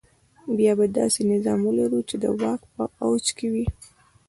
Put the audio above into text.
بیا به داسې نظام ولرو چې د واک په اوج کې وي.